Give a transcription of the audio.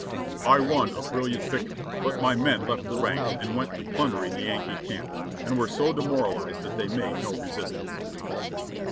"I won a brilliant victory, but my men left the ranks and went to plundering the Yankee camps, and were so demoralized that they made no resistance."